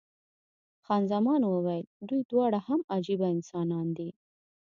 خان زمان وویل، دوی دواړه هم عجبه انسانان دي.